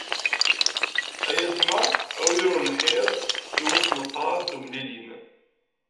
Ay ayetma a wi ur nḥir, i wass n ṭṭrad tumlilin.